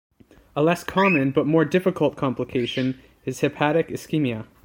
A less common but more difficult complication is hepatic ischemia.